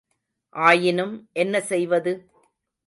ஆயினும் என்ன செய்வது?